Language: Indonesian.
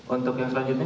untuk yang selanjutnya